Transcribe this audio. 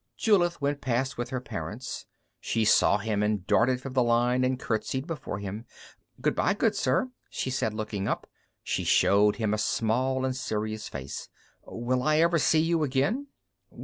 _ Julith went past with her parents. She saw him and darted from the line and curtsied before him. "Goodbye, good sir," she said. Looking up, she showed him a small and serious face. "Will I ever see you again?"